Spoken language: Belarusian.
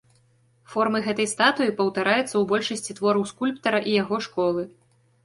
Формы гэтай статуі паўтараюцца ў большасці твораў скульптара і яго школы.